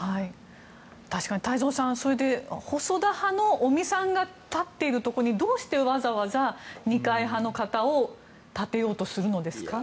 確かに、太蔵さん細田派の尾身さんが立っているところにどうしてわざわざ二階派の方を立てようとするのですか？